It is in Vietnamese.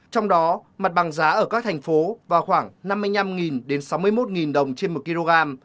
trong đó mặt bằng giá ở các thành phố vào khoảng năm mươi năm sáu mươi một đồng trên một kg